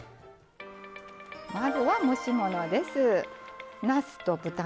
まずは蒸し物です。